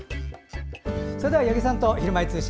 では八木さんと「ひるまえ通信」